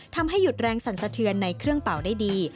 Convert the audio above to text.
ทำให้หยุดแรงสั่นสะเทือนในเครื่องเป่าได้ดี